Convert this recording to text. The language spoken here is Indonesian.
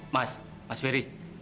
mas mas beri